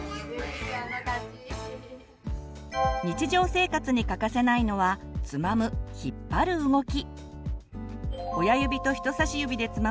日常生活に欠かせないのはつまむ引っ張る動き。